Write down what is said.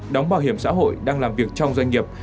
đóng bảo hiểm xã hội đang làm việc trong doanh nghiệp